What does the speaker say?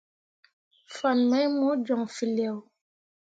Fan mai mo joŋ feelao.